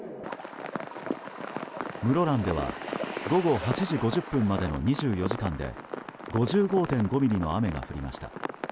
室蘭では午後８時までの２４時間で５５．５ミリの雨が降りました。